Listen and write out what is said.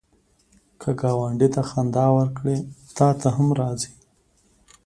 که ګاونډي ته خندا ورکړې، تا ته هم راځي